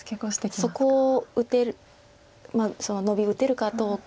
そこをそのノビ打てるかどうか。